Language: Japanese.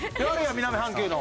南半球の。